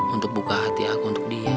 untuk buka hati aku untuk di